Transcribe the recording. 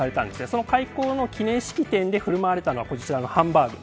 その開校の記念式典で振る舞われたのがハンバーグ。